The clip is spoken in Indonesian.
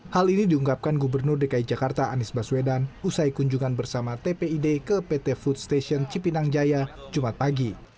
hal ini diungkapkan gubernur dki jakarta anies baswedan usai kunjungan bersama tpid ke pt food station cipinang jaya jumat pagi